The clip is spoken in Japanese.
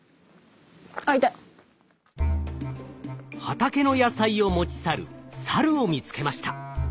畑の野菜を持ち去るサルを見つけました。